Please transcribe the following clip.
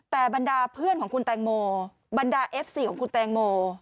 แต่บรรดาเพื่อนของคุณแตงโมบรรดาเอฟซีของคุณแตงโม